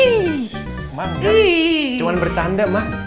cuman cuman bercanda mah